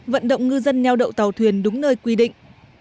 vận động ngư dân neo đậu tàu thuyền đúng nơi quy định